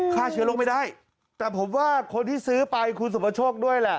ฆ่าเชื้อโรคไม่ได้แต่ผมว่าคนที่ซื้อไปคุณสุประโชคด้วยแหละ